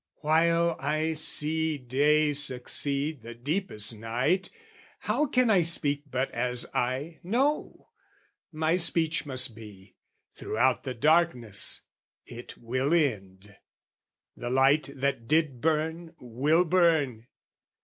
While I see day succeed the deepest night How can I speak but as I know? my speech Must be, throughout the darkness, "It will end:" "The light that did burn, will burn!"